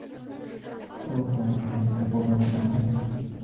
سوف نُقلع في غضون دقائق.